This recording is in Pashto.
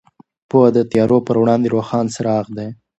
پوهه د تیارو پر وړاندې روښان څراغ دی.